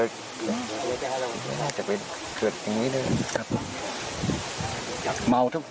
ครับด้วยช่าวตะลอกทีทุกวันเลยใช่มั้ยพี่